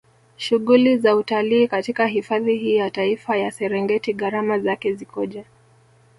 Shughuli za utalii katika hifadhi hii ya Taifa ya Serengeti Gharama zake zikoje